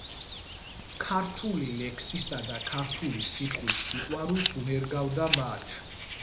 ქართული ლექსისა და ქართული სიტყვის სიყვარულს უნერგავდა მათ.